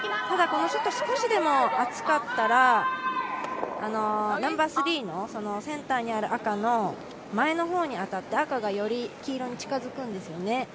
ただ、このショット、少しでも厚かったらセンターにある赤の前の方に当たって赤がより黄色に近づくんですね。